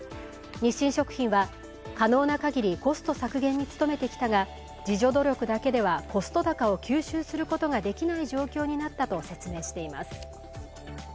日清食品は可能なかぎりコスト削減に努めてきたが自助努力だけではコスト高を吸収できない状況になったと説明しています。